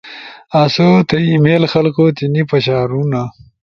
آسو تھئی ای میل خلقو تی نی پشارونا